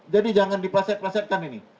jadi jangan dipraset prasetkan ini